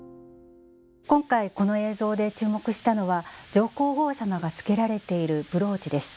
今回この映像で注目したのは上皇后さまが着けられているブローチです。